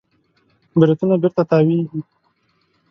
بریتونونه بېرته تاوېږي.